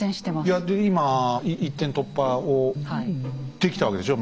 いやで今一点突破をできたわけでしょう？